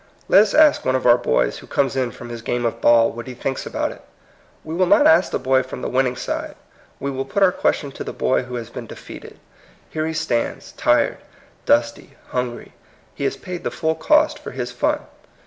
Let us ask one of our boys who comes in from his game of ball what he thinks about it. We will not ask the boy from the winning side. We will put our ques tion to the boy who has been defeated. Here he stands, tired, dusty, hungry. He has paid the full cost for his fun.